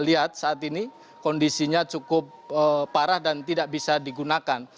lihat saat ini kondisinya cukup parah dan tidak bisa digunakan